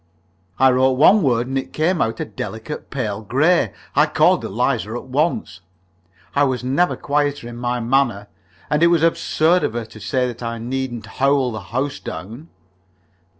I wrote one word, and it came out a delicate pale gray. I called Eliza at once. I was never quieter in my manner, and it was absurd of her to say that I needn't howl the house down.